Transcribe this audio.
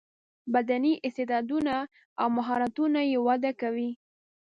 بدني استعداونه او مهارتونه یې وده کوي.